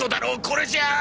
これじゃあ！